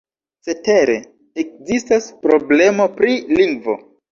Cetere, ekzistas problemo pri lingvo.